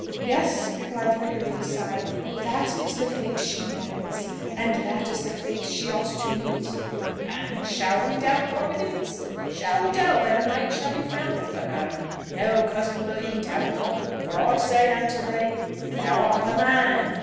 "Yes!" responded the vicar with a sigh; "that is the fate she merits, and that is the fate she ought to meet!" "And shall we doubt Providence? shall we doubt that a mate shall be found for her? No, cousin William; doubt not, for I say unto thee, 'Thou art the man!'"